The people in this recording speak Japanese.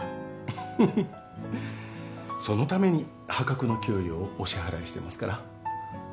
フフッそのために破格の給料をお支払いしてますから。